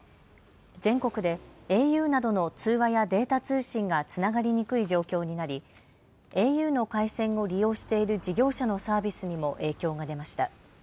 全国でａｕなどの通話やデータ通信がつながりにくい状況になりａｕの回線を利用している事業者のサービスにも影響が出ました。